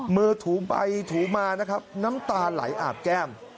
มือถูไปถูมานะครับน้ำตาไหลอาบแก้ม